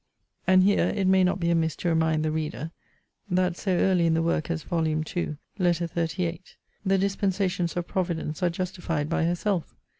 And here it may not be amiss to remind the reader, that so early in the work as Vol. II. Letter XXXVIII. the dispensations of Providence are justified by herself.